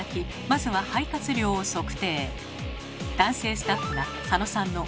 まずは肺活量を測定。